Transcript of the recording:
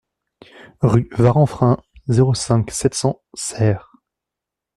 Rue Varanfrain, zéro cinq, sept cents Serres